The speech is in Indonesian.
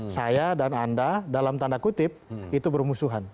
saya dan anda dalam tanda kutip itu bermusuhan